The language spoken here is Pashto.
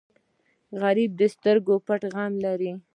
غریب د سترګو پټ غم لري